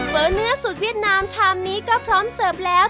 เนื้อสูตรเวียดนามชามนี้ก็พร้อมเสิร์ฟแล้ว